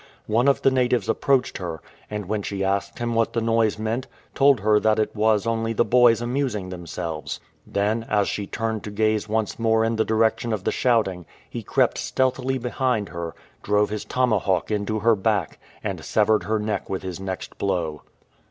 One of the natives approached her, and when she asked him what the noise meant, told her that it was only the boys amusing them selves. Then, as she turned to gaze once more in the direction of the shouting, he crept stealthily behind her, drove his tomahawk into her back, and severed her neck with his next blow.